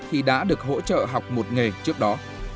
khi đã được hỗ trợ học một nghề trước đó